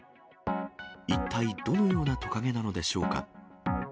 一体どのようなトカゲなのでしょうか。